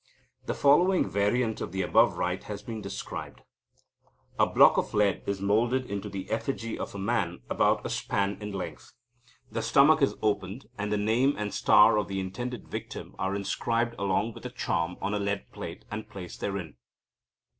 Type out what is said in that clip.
The following variant of the above rite has been described : "A block of lead is moulded into the effigy of a man about a span in length. The stomach is opened, and the name and star of the intended victim are inscribed along with a charm on a lead plate, and placed therein.